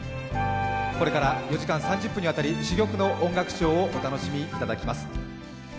これから４時間３０分にわたり珠玉の音楽ショーを御覧いただきます。